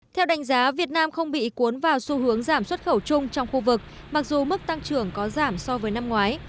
theo đánh giá việt nam không bị cuốn vào xu hướng giảm xuất khẩu chung trong khu vực mặc dù mức tăng trưởng có giảm so với năm ngoái